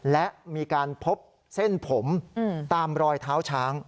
และมีการพบเส้นผมตามรอยเท้าช้าง